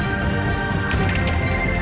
saya akan mencari kepuasan